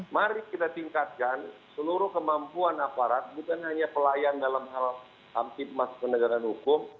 mari kita tingkatkan seluruh kemampuan aparat bukan hanya pelayan dalam hal hampir masuk ke negara hukum